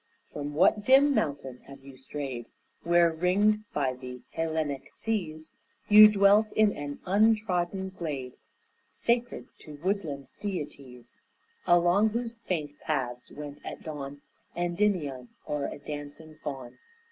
From what dim mountain have you strayed, Where, ringed by the Hellenic seas, You dwelt in an untrodden glade Sacred to woodland deities, Along whose faint paths went at dawn Endymion or a dancing faun?